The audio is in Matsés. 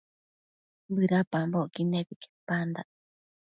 bëdapambocquid nebi quepandac